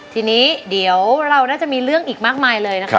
ทีนี้เดี๋ยวเราน่าจะมีเรื่องอีกมากมายเลยนะครับ